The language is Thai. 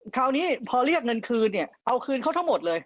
คราวนี้พอเรียกเงินคืนเนี่ยเอาคืนเขาทั้งหมดเลย